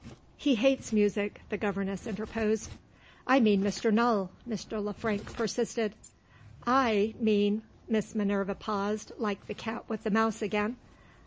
"He hates music," the governess interposed. "I mean Mr. Null," Mr. Le Frank persisted. "I mean " Miss Minerva paused (like the cat with the mouse again!)